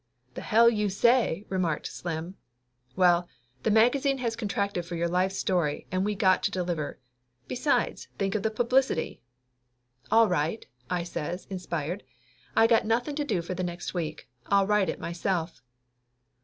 "The hell you say!" remarked Slim. "Well, the magazine has contracted for your life story, and we got to deliver. Besides, think of the publicity!" "All right!" I says, inspired. "I got nothing to do for the next week; I'll write it myself!"